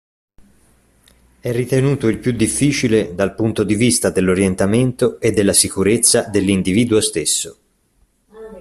È ritenuto il più difficile dal punto di vista dell'orientamento e della sicurezza dell'individuo stesso.